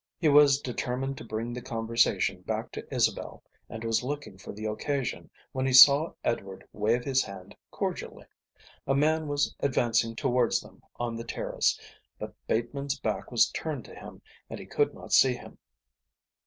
He was determined to bring the conversation back to Isabel and was looking for the occasion when he saw Edward wave his hand cordially. A man was advancing towards them on the terrace, but Bateman's back was turned to him and he could not see him.